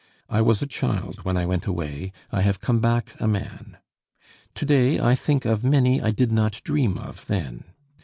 I was a child when I went away, I have come back a man. To day, I think of many I did not dream of then.